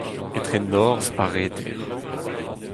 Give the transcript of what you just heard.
Etre norzh ha reter.